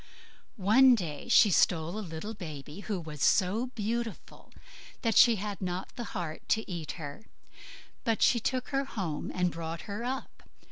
One day she stole a little baby, who was so beautiful that she had not the heart to eat her; but she took her home and brought her up.